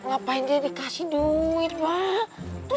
ngapain dia dikasih duit pak